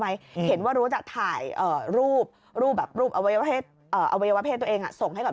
ไม่เคยเห็นหน้าจริงหนูเลยอ่ะหน้าไม่ปรับมาแค่เป็นวันแค่ยังกี่วัน